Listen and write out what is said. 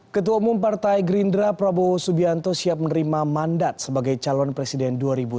ketua umum partai gerindra prabowo subianto siap menerima mandat sebagai calon presiden dua ribu sembilan belas